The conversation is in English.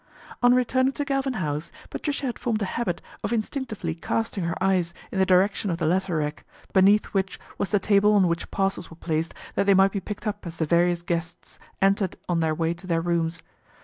On returning to Galvin House Patricia had INTERVENTION OF AUNT ADELAIDE 77 formed a habit of instinctively casting her eyes in the direction of the letter rack, beneath which was the table on which parcels were placed that they might be picked up as the various guests entered on their way to their rooms.